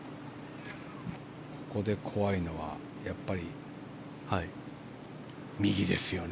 ここで怖いのはやっぱり右ですよね。